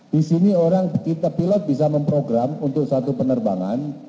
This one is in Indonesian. di sini orang kita pilot bisa memprogram untuk satu penerbangan